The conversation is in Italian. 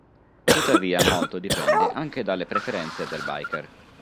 Tuttavia molto dipende anche dalle preferenze del biker.